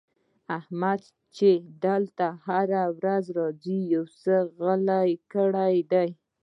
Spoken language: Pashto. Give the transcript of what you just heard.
احمد چې دلته هره ورځ راځي؛ يو سوی يې غلی کړی دی.